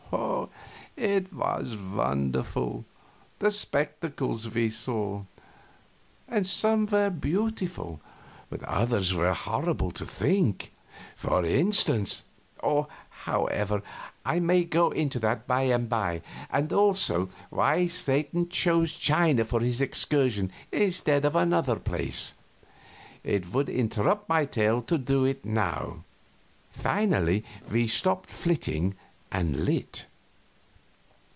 It was wonderful, the spectacles we saw; and some were beautiful, others too horrible to think. For instance However, I may go into that by and by, and also why Satan chose China for this excursion instead of another place; it would interrupt my tale to do it now. Finally we stopped flitting and lit.